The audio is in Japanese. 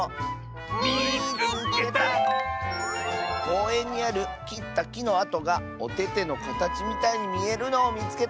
「こうえんにあるきったきのあとがおててのかたちみたいにみえるのをみつけた！」。